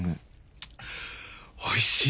おいしい。